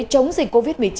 chống dịch covid một mươi chín